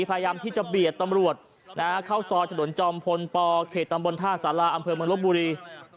พยายามที่จะเบียดตำรวจเข้าซอยถนนจอมพลปเขตตำบลท่าสาราอำเภอเมืองลบบุรี